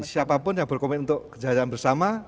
siapapun yang berkomitmen untuk kesejahteraan bersama